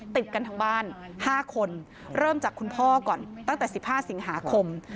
ติดกันทั้งบ้าน๕คนเริ่มจากคุณพ่อก่อนตั้งแต่๑๕สิงหาคม